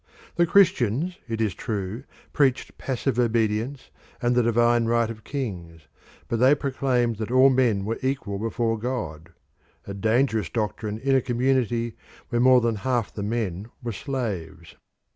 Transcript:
The Christians, it is true, preached passive obedience and the divine right of kings, but they proclaimed that all men were equal before God a dangerous doctrine in a community where more than half the men were slaves.